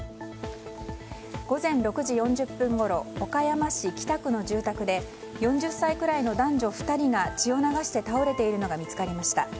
午前６時４０分ごろ岡山市北区の住宅で４０歳くらいの男女２人が血を流して倒れているのが見つかりました。